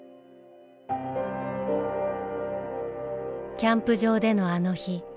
キャンプ場でのあの日。